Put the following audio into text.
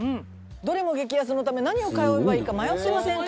どれも激安のため何を買えばいいか迷ってませんか？